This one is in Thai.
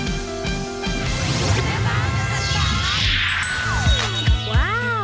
บรรยายแม่ง